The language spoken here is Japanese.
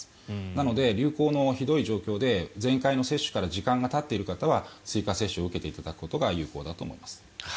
なので、流行のひどい状況で前回の接種から時間がたっている方は追加接種を受けていただくことが有効だと思います。